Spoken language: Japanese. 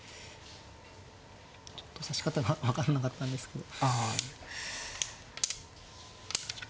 ちょっと指し方が分かんなかったんですけど。